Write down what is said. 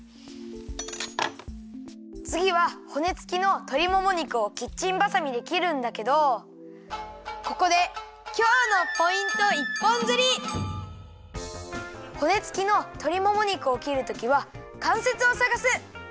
つぎは骨つきのとりもも肉をキッチンばさみできるんだけどここで骨つきのとりもも肉をきるときはかんせつをさがす！